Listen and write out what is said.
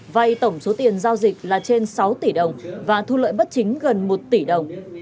vay tổng số tiền giao dịch là trên sáu tỷ đồng và thu lợi bất chính gần một tỷ đồng